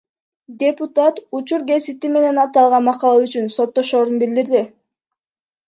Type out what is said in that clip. Депутат Учур гезити менен аталган макала үчүн соттошорун билдирди.